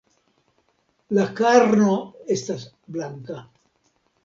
La karno estas blanka.